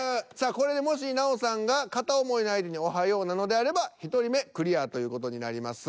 これでもし奈緒さんが片想いの相手に「おはよう」なのであれば１人目クリアという事になります。